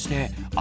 あ！